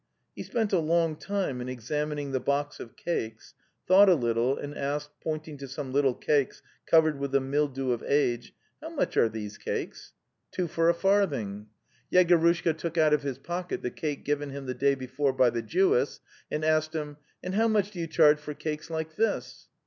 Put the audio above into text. He spent a long time in examining the box of cakes, thought a little and asked, pointing to some little cakes covered with the mildew of age: '" How much are these cakes?" 'Two for a farthing." The Steppe DAF Yegorushka took out of his pocket the cake given him the day before by the Jewess, and asked him: '"And how much do you charge for cakes like this?"